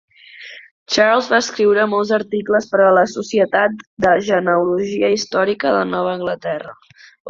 Charles va escriure molts articles per a la Societat de genealogia històrica de Nova Anglaterra.